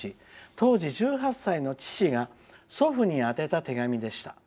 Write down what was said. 当時１８歳の父が祖父に宛てた手紙でした。